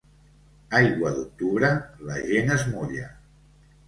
Aigua d'octubre, la gent es mulla.